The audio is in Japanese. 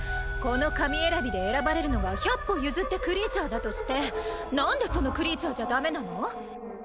この神選びで選ばれるのが百歩譲ってクリーチャーだとして何でそのクリーチャーじゃダメなの？